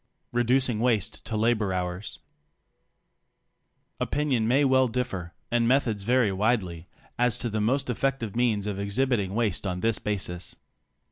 REDUCING WASTE TO LABOR HOURS Opinion may well differ, and methods vary widely as to the most effective means of exhibiting waste on this basis.